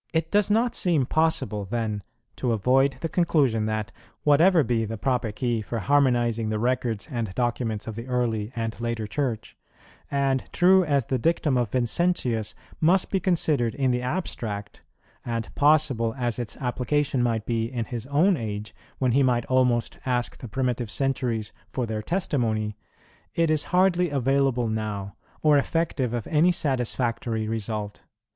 It does not seem possible, then, to avoid the conclusion that, whatever be the proper key for harmonizing the records and documents of the early and later Church, and true as the dictum of Vincentius must be considered in the abstract, and possible as its application might be in his own age, when he might almost ask the primitive centuries for their testimony, it is hardly available now, or effective of any satisfactory result.